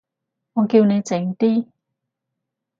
我叫你靜啲